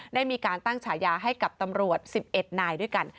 ได้มีการตั้งฉายาให้กับตำรวจ๑๑นายด้วยกัน